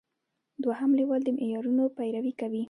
دوهم لیول د معیارونو پیروي کوي.